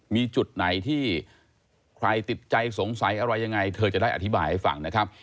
มีจุดไหนที่ใครติดใจสงสัยอะไรยังไงเธอจะได้อธิบายให้ฟังนะครับ